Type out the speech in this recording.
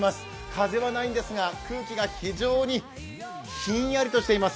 風はないんですが空気が非常にひんやりとしています。